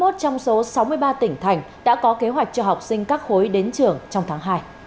sáu mươi một trong số sáu mươi ba tỉnh thành đã có kế hoạch cho học sinh các khối đến trường trong tháng hai